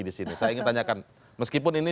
di sini saya ingin tanyakan meskipun ini